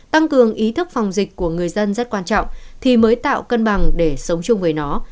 tăng cường ý thức phòng dịch của người dân rất quan trọng thì mới tạo cân bằng để sống chung với nó